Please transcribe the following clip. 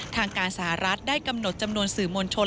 ทางการสหรัฐได้กำหนดจำนวนสื่อมวลชน